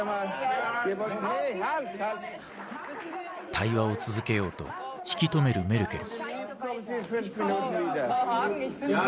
対話を続けようと引き止めるメルケル。